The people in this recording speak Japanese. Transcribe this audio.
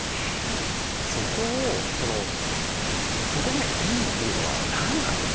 そこを「そこがいい」っていうのは何なんですか？